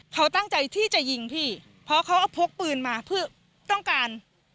เขาตั้งใจที่จะยิงพี่เพราะเขาเอาพกปืนมาเพื่อต้องการ